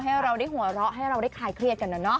ให้เราได้หัวเราะให้เราได้คลายเครียดกันนะเนาะ